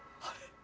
あれ？